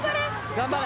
・頑張れ！